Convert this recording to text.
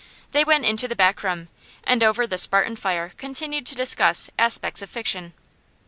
They went into the back room, and over the Spartan fare continued to discuss aspects of fiction.